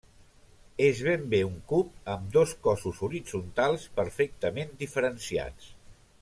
És ben bé un cub amb dos cossos horitzontals perfectament diferenciats.